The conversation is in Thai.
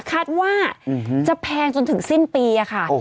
คาดว่าจะแพงจนถึงสิ้นปีค่ะ